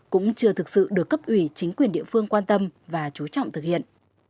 cũng chưa thực sự được cấp ủy chính quyền địa phương quan tâm và chú trọng thực hiện